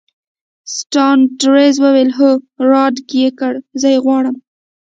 ساندرز وویل: هو، راډک یې کړه، زه یې غواړم.